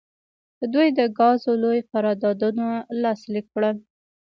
دوی د ګازو لوی قراردادونه لاسلیک کړل.